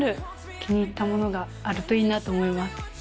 気に入った物があるといいなと思います。